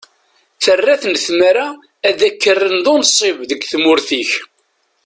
Terra-ten tmara ad k-rren d unsib deg tmurt-ik.